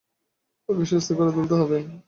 ওকে সুস্থ করে তুলতে হবে।